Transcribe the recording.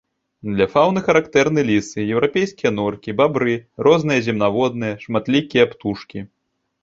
Для фаўны характэрны лісы, еўрапейскія норкі, бабры, розныя земнаводныя, шматлікія птушкі.